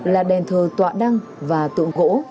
là đèn thờ tọa đăng và tượng gỗ